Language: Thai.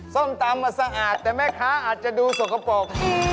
ส้มตำมันสะอาดแต่แม่ค้าอาจจะดูสกปรก